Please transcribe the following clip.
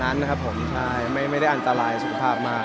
ทานเยอะครับทานเยอะ